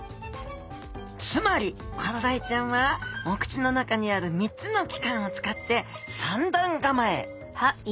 つまりコロダイちゃんはお口の中にある３つの器官を使って３段構え。